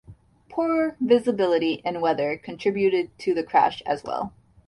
Poor visibility and weather contributed to the crash as well.